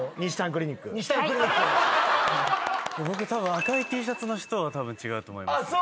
赤いＴシャツの人がたぶん違うと思います。